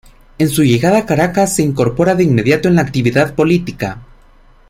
En su llegada a Caracas se incorpora de inmediato en la actividad política.